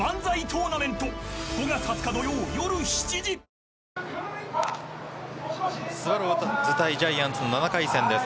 「氷結」スワローズ対ジャイアンツの７回戦です。